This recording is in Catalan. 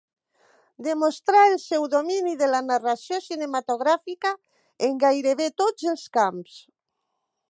Demostrà el seu domini de la narració cinematogràfica en gairebé tots els camps.